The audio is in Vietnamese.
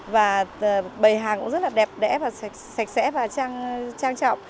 và bày hàng cũng rất là đẹp đẽ và sạch sẽ và trang trọng